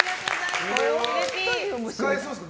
使えそうですか？